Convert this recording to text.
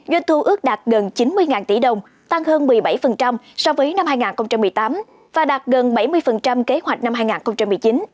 doanh thu ước đạt gần chín mươi tỷ đồng tăng hơn một mươi bảy so với năm hai nghìn một mươi tám và đạt gần bảy mươi kế hoạch năm hai nghìn một mươi chín